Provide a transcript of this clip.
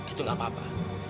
itu enggak apa apa